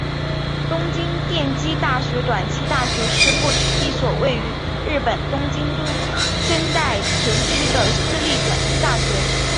东京电机大学短期大学是过去一所位于日本东京都千代田区的私立短期大学。